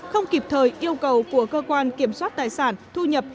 không kịp thời yêu cầu của cơ quan kiểm soát tài sản thu nhập